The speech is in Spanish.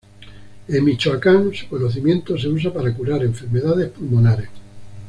En Michoacán su cocimiento se usa para curar enfermedades pulmonares.